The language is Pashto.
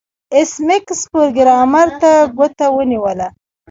ایس میکس پروګرامر ته ګوته ونیوله